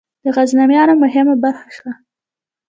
د غزنویانو یوه مهمه برخه شوه.